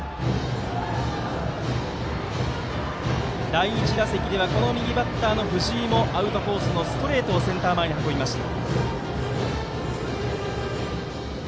第１打席ではこの右バッターの藤井もアウトコースのストレートをセンター前に運びました。